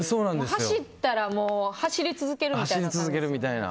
走ったら走り続けるみたいな。